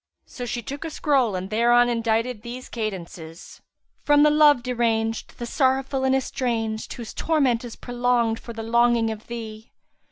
So she took a scroll and thereon indited these cadences, "From the love deranged * the sorrowful and estranged * whose torment is prolonged for the longing of thee!